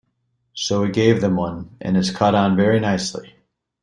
So we gave them one, and it's caught on very nicely.